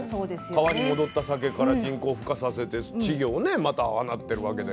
川に戻ったさけから人工ふ化させて稚魚をねまた放ってるわけで。